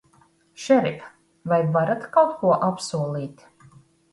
Šerif, vai varat kaut ko apsolīt?